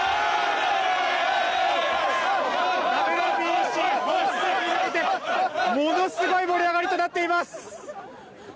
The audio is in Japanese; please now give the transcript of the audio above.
ＷＢＣ本戦に向けてものすごい盛り上がりとなっています。